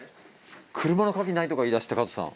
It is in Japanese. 車の鍵ないとか言いだした加藤さん。